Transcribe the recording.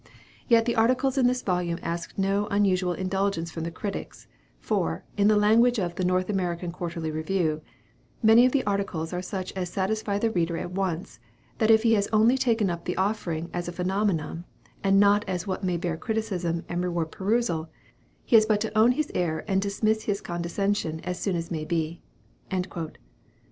Yet the articles in this volume ask no unusual indulgence from the critics for, in the language of 'The North American Quarterly Review,' 'many of the articles are such as satisfy the reader at once, that if he has only taken up the "Offering" as a phenomenon, and not as what may bear criticism and reward perusal, he has but to own his error, and dismiss his condescension, as soon as may be.'"